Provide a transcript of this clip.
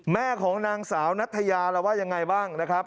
แม่ของนางสาวนัทยาเราว่ายังไงบ้างนะครับ